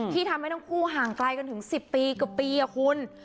ทำให้ทั้งคู่ห่างไกลกันถึง๑๐ปีกว่าปีอะคุณ